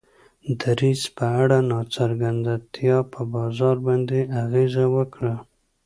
دریځ په اړه ناڅرګندتیا په بازار باندې اغیزه وکړه.